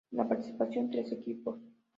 En la participaron tres equipos.